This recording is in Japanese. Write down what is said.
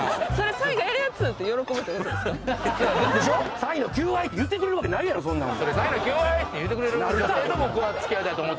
「サイの求愛！」って言ってくれるわけないやろそんなん